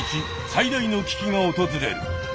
最大の危機がおとずれる。